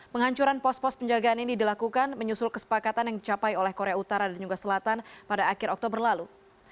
penghancuran pos pos penjagaan ini dilakukan menyusul kesepakatan yang dicapai oleh korea utara dan juga selatan pada akhir oktober lalu